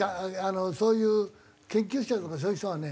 そういう研究者とかそういう人はね